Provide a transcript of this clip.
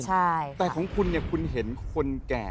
ใช่แต่ของคุณเนี่ยคุณเห็นคนแก่